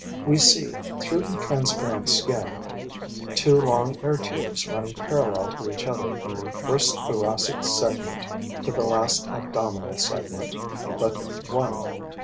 We see, through the transparent skin, two long air tubes running parallel to each other from the first thoracic segment to the last abdominal segment but one.